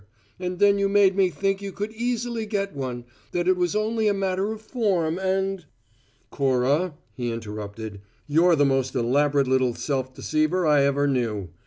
And then you made me think you could easily get one that it was only a matter of form and " "Cora," he interrupted, "you're the most elaborate little self deceiver I ever knew.